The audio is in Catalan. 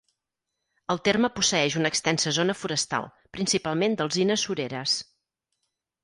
El terme posseeix una extensa zona forestal, principalment d'alzines sureres.